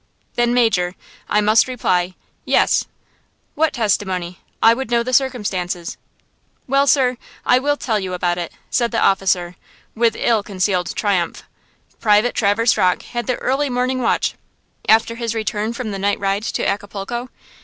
"Then, Major, I must reply–yes." "What testimony? I would know the circumstances?" "Well, sir, I will tell you about it," said the officer, with ill concealed triumph. "Private Traverse Rocke had the early morning watch–" "After his return from the night ride to Acapulco?"